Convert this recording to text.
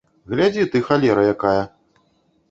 Глядзі ты, халера якая!